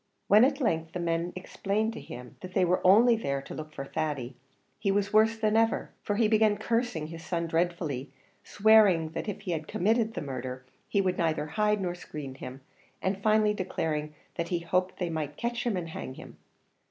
When at length the men explained to him that they were only there to look for Thady, he was worse than ever; for he began cursing his son dreadfully, swearing that if he had committed the murder, he would neither hide nor screen him, and finally declaring that he hoped they might catch him and hang him.